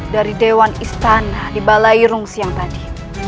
dari dewan istana di balairung siang tadi